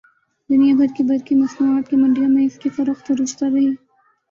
دنیا بھر کی برقی مصنوعات کی منڈیوں میں اس کی فروخت عروج پر رہی